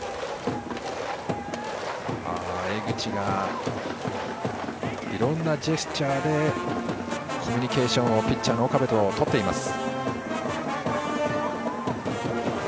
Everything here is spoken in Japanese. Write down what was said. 江口がいろいろなジェスチャーでコミュニケーションをピッチャーの岡部ととっています。